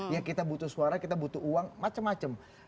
ya kita butuh suara kita butuh uang macem macem